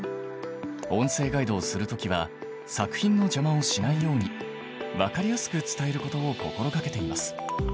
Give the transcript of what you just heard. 音声ガイドをする時は作品の邪魔をしないように分かりやすく伝えることを心がけています。